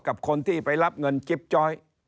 กับคนที่ไปรับเงินจิ๊บจ้อย